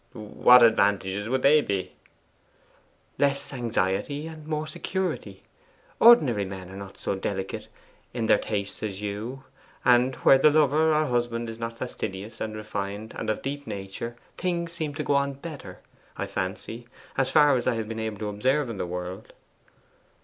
'What advantages would they be?' 'Less anxiety, and more security. Ordinary men are not so delicate in their tastes as you; and where the lover or husband is not fastidious, and refined, and of a deep nature, things seem to go on better, I fancy as far as I have been able to observe the world.